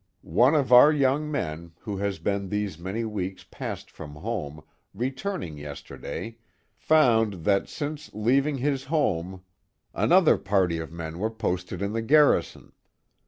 One of our young men who has been these many weeks past from home, returning yesterday, found that since his leaving home another its The Mohawk Valley ^^H party of men were posted in the garrison.